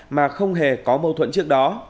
mà không hề có mâu thuẫn trước đó